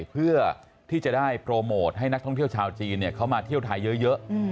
เพื่อที่จะได้โปรโมทให้นักท่องเที่ยวชาวจีนเขามาเที่ยวไทยเยอะ